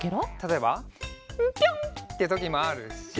「ウッピョン！」ってときもあるし。